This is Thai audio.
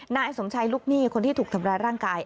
นายสมชัยลูกหนี้คนที่ถูกทำร้ายร่างกาย